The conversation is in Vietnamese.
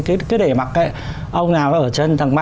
cứ để mặc cái ông nào ở chân tầng ba